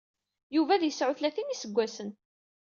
Yuba ad yesɛu tlatin isaggasen.